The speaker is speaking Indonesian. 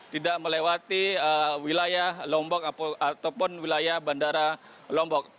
tidak melewati wilayah lombok ataupun wilayah bandara lombok